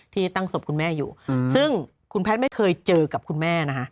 ที่ตั้งศพคุณแม่อยู่ซึ่งคุณแพทย์ไม่เคยเจอกับคุณแม่นะคะ